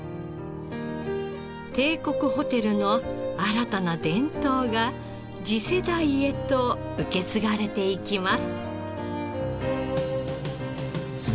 帝国ホテルの新たな伝統が次世代へと受け継がれていきます。